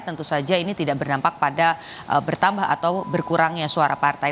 tentu saja ini tidak berdampak pada bertambah atau berkurangnya suara partai